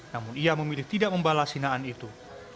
namun ia memilih tidak membalas hinaan itu